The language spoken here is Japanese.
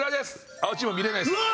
青チーム見れないですからね。